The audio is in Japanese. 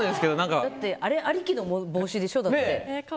だってあれありきの帽子でしょ。